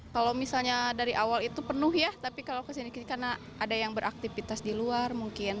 kalau misalnya dari awal itu penuh ya tapi kalau kesini kesini karena ada yang beraktivitas di luar mungkin